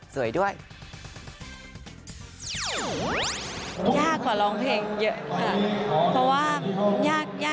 สวยด้วย